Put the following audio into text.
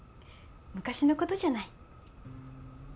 昔のことじゃない。